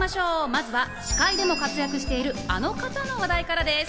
まずは司会でも活躍しているあの方の話題からです。